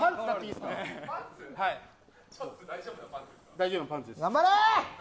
大丈夫なパンツです。